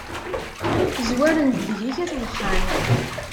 Zwaren-d deg-k at uxxam.